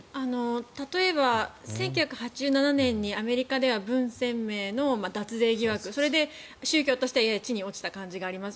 例えば、１９８７年にアメリカではブン・センメイの脱税疑惑、それで宗教としてやや地に落ちた印象があります。